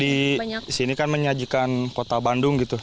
di sini kan menyajikan kota bandung gitu